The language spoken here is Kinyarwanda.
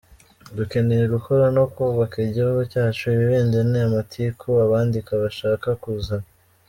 Dukeneye gukora no kubaka igihugu cyacu ibi bindi ni amatiku abandika bashaka kuzana